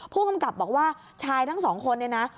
ผู้กำกับบอกว่าชายทั้งสองคนเนี่ยนะ